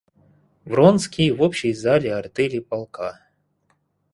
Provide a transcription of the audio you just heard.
Вронский в общей зале артели полка.